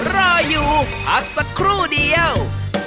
รออยู่พักสักครู่เดียว